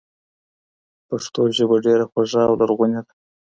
پښتو ژبه ډېره خوږه او لرغونې ده.